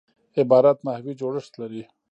عبارت نحوي جوړښت لري.